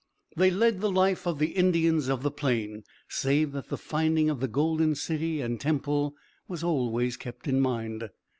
They led the life of the Indians of the plain, save that the finding of the golden city and temple was always kept in mind.